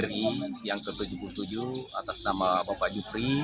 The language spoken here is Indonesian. ri yang ke tujuh puluh tujuh atas nama bapak jupri